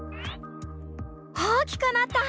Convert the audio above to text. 大きくなった！